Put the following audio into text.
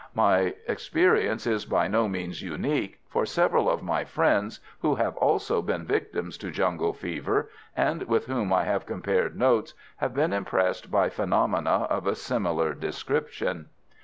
My experience is by no means unique, for several of my friends who have also been victims to jungle fever, and with whom I have compared notes, have been impressed by phenomena of a similar description.